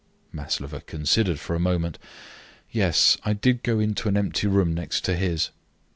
Maslova considered for a moment. "Yes, I did go into an empty room next to his."